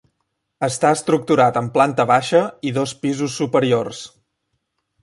Està estructurat en planta baixa i dos pisos superiors.